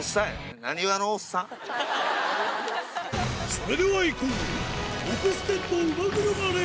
それではいこう！